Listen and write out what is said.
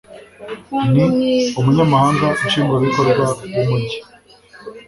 n umunyamabanga nshingwabikorwa w umujyi